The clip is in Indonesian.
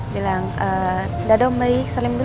bilang dadah baik salim dulu